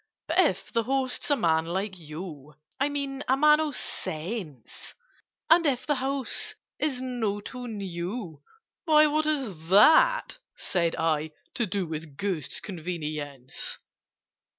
"But if the host's a man like you— I mean a man of sense; And if the house is not too new—" "Why, what has that," said I, "to do With Ghost's convenience?"